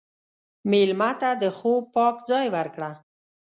مېلمه ته د خوب پاک ځای ورکړه.